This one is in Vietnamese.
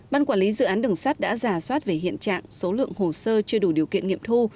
ban quản lý dự án đường sắt đã giả soát về hiện trạng số lượng hồ sơ chưa đủ điều kiện nghiệm thu